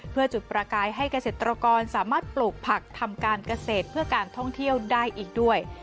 เพื่อจุดประกายให้เกษตรกรสามารถปลูกผักทำการเกษตรเพื่อการท่องเที่ยวได้อีกด้วย